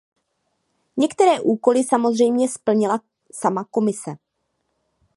Některé úkoly samozřejmě splnila sama Komise.